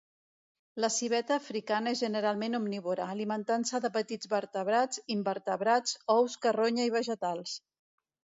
La civeta africana és generalment omnívora, alimentant-se de petits vertebrats, invertebrats, ous, carronya i vegetals.